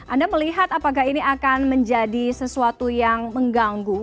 anda melihat apakah ini akan menjadi sesuatu yang mengganggu